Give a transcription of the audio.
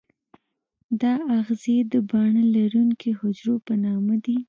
دا آخذې د باڼه لرونکي حجرو په نامه دي.